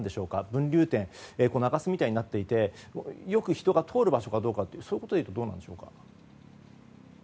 分流点、中洲みたいになっていてよく人が通る場所かどうかその辺りはどうでしょうか。